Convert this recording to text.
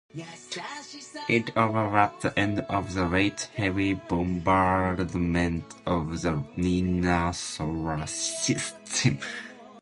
It overlaps the end of the Late Heavy Bombardment of the Inner Solar System.